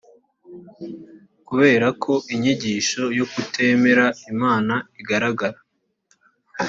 kubera ko inyigisho yo kutemera imana igaragara